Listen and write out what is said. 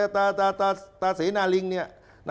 ตาตาเสนาลิงเนี่ย